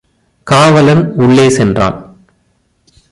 காவலன் உள்ளே சென்றான்.